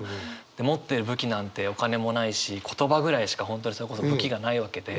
持ってる武器なんてお金もないし言葉ぐらいしか本当にそれこそ武器がないわけで。